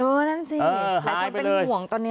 ดูนั่นสิหายไปเลย